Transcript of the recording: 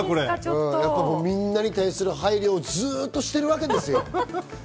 みんなに対する配慮をずっとしてるわけですよ。